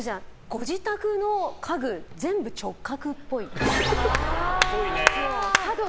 ご自宅の家具、全部直角っぽい。